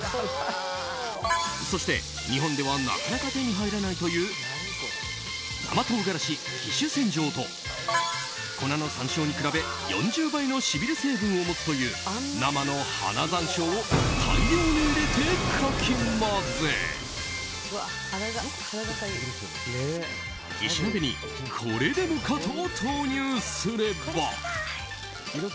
そして日本ではなかなか手に入らないという生唐辛子・貴洲鮮椒と粉の山椒に比べ４０倍のしびれ成分を持つという生の花山椒を大量に入れてかき混ぜ石鍋にこれでもかと投入すれば。